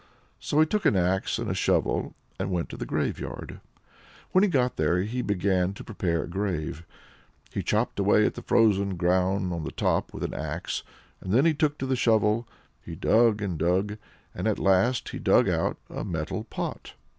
So he took an axe and a shovel, and went to the graveyard. When he got there he began to prepare a grave. He chopped away the frozen ground on the top with the axe, and then he took to the shovel. He dug and dug, and at last he dug out a metal pot.